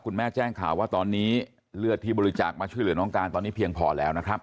แจ้งข่าวว่าตอนนี้เลือดที่บริจาคมาช่วยเหลือน้องการตอนนี้เพียงพอแล้วนะครับ